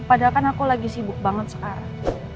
padahal kan aku lagi sibuk banget sekarang